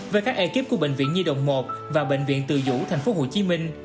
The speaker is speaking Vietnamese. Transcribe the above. với các ekip của bệnh viện nhi đồng một và bệnh viện từ dũ tp hcm